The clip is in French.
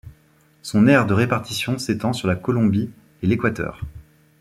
Son aire de répartition s'étend sur la Colombie et l'Équateur.